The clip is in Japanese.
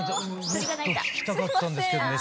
もっと聞きたかったんですけどね。